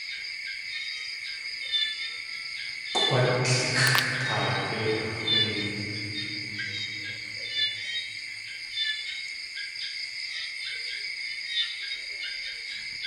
Kʼwátlxʼ kaadé axwéin.